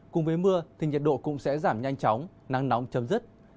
cùng với mưa thì nhiệt độ cũng sẽ giảm nhanh chóng nắng nóng chấm dứt